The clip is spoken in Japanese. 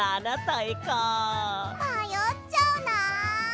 まよっちゃうな。